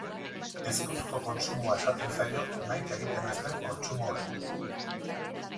Ezkutuko kontsumoa esaten zaio nahita egiten ez den kontsumo horri.